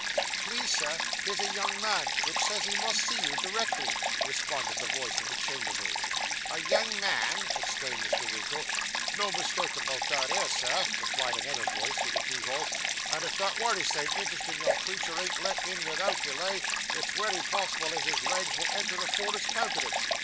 'Please, Sir, here's a young man which says he must see you directly,' responded the voice of the chambermaid. 'A young man!' exclaimed Mr. Winkle. 'No mistake about that 'ere, Sir,' replied another voice through the keyhole; 'and if that wery same interestin' young creetur ain't let in vithout delay, it's wery possible as his legs vill enter afore his countenance.